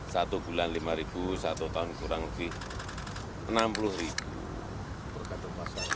satu bulan lima ribu satu tahun kurang lebih enam puluh ribu tergantung pasar